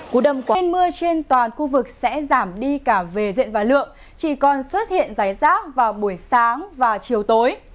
cú đâm qua trên mưa trên toàn khu vực sẽ giảm đi cả về diện và lượng chỉ còn xuất hiện rái rác vào buổi sáng và chiều tối